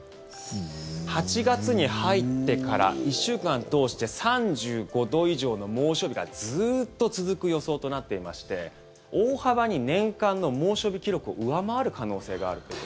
８月に入ってから１週間を通して３５度以上の猛暑日がずーっと続く予想となっていまして大幅に年間の猛暑日記録を上回る可能性があるという。